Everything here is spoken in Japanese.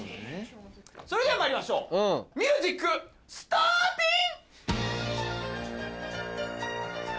それではまいりましょうミュージックスターティン！